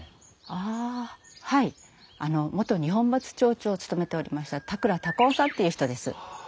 ああはい元二本松町長を務めておりました田倉孝雄さんっていう人です。